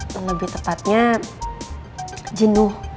lebih tepatnya jenuh